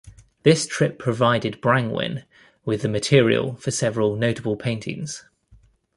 This trip provided Brangwyn with the material for several notable paintings.